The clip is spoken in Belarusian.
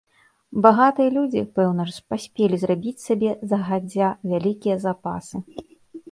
Багатыя людзі, пэўна ж, паспелі зрабіць сабе, загадзя, вялікія запасы.